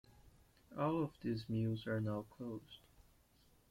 All of these mills are now closed.